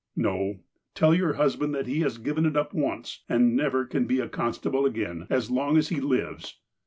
"No. Tell your husband that he has given it up once, and never can be a constable again as long as he lives."